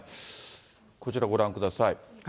こちら、ご覧ください。